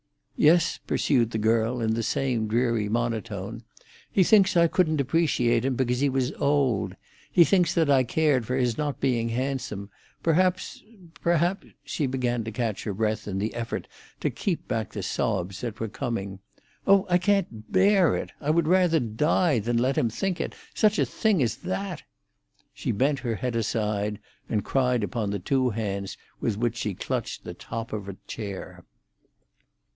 "Yes," pursued the girl, in the same dreary monotone, "he thinks I couldn't appreciate him because he was old. He thinks that I cared for his not being handsome! Perhaps—perhaps——" She began to catch her breath in the effort to keep back the sobs that were coming. "Oh, I can't bear it! I would rather die than let him think it—such a thing as that!" She bent her head aside, and cried upon the two hands with which she clutched the top of her chair.